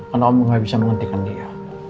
karena om enggak bisa menghentikan dia